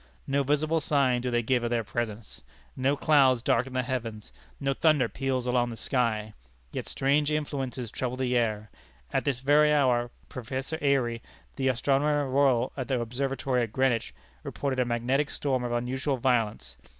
No visible sign do they give of their presence. No clouds darken the heavens; no thunder peals along the sky. Yet strange influences trouble the air. At this very hour, Professor Airy, the Astronomer Royal at the Observatory at Greenwich, reported a magnetic storm of unusual violence.